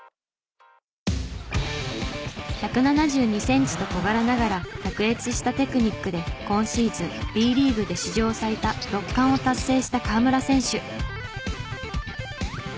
１７２センチと小柄ながら卓越したテクニックで今シーズンＢリーグで史上最多６冠を達成した河村選手。